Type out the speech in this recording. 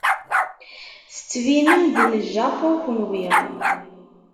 Tettbinem-d n Japu kunwi.